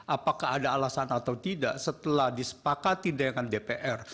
apakah ada alasan atau tidak setelah disepakati dengan dpr